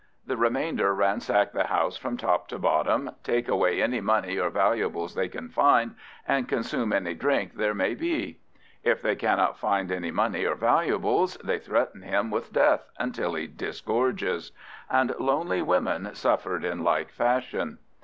The remainder ransack the house from top to bottom, take away any money or valuables they can find, and consume any drink there may be. If they cannot find any money or valuables, they threaten him with death until he disgorges. And lonely women suffered in like fashion.